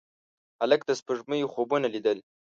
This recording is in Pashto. هلک د سپوږمۍ خوبونه لیدل.